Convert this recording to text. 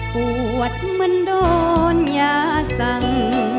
ปวดเหมือนโดนยาสั่ง